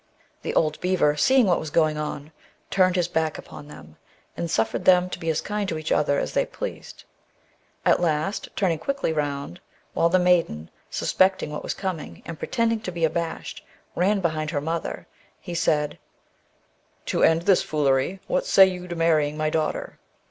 The old beaver seeing what was going on, turned his back upon them, and suffered them to be as kind to each other as they pleased. At last, turning quickly round, while the maiden, suspecting what was coming, and pretending to be abashed, ran behind her mother, he said, ' To end this foolery, what say you to marrying my daughter?